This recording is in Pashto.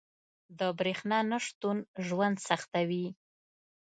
• د برېښنا نه شتون ژوند سختوي.